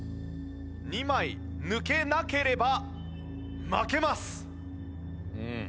２枚抜けなければ負けます。